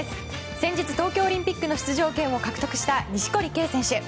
先日東京オリンピックの出場権を獲得した錦織圭選手。